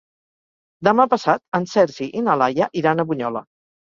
Demà passat en Sergi i na Laia iran a Bunyola.